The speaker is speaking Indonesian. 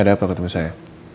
ada apa ketemu saya